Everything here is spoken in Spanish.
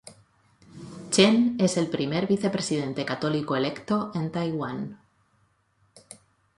Chen es el primer vicepresidente católico electo en Taiwán.